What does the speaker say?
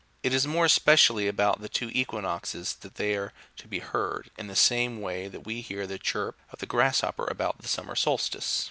It is more especially about the two equinoxes that they are to be heard, in the same way that we hear the chirrup of the grasshopper about the summer solstice.